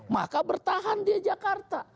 maka bertahan di jakarta